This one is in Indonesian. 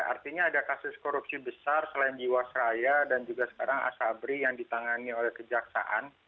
artinya ada kasus korupsi besar selain jiwasraya dan juga sekarang asabri yang ditangani oleh kejaksaan